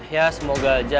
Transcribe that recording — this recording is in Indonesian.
ya semoga aja